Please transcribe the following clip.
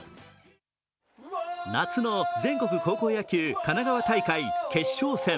夏の全国高校野球神奈川大会決勝戦。